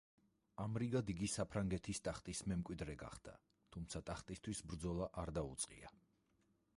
ამრიგად იგი საფრანგეთის ტახტის მემკვიდრე გახდა, თუმცა ტახტისათვის ბრძოლა არ დაუწყია.